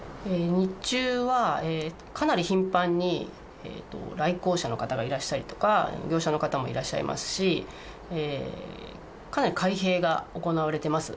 日中はかなり頻繁に来校者の方がいらしたりとか、業者の方もいらっしゃいますし、かなり開閉が行われてます。